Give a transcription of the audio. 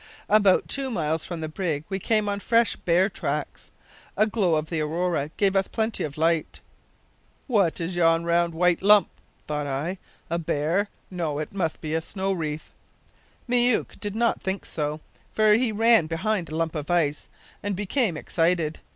"About two miles from the brig we came on fresh bear tracks. A glow of the aurora gave us plenty of light. `What is yon round white lump?' thought I. `A bear? No, it must be a snow wreath!' Myouk did not think so, for he ran behind a lump of ice, and became excited.